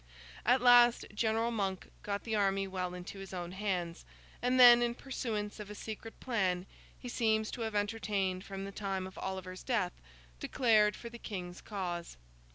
At last, General Monk got the army well into his own hands, and then in pursuance of a secret plan he seems to have entertained from the time of Oliver's death, declared for the King's cause.